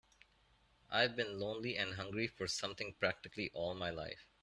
I've been lonely and hungry for something practically all my life.